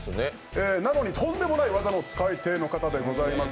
なのに、とんでもない技の使い手でございます。